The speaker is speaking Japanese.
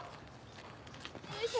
よいしょ。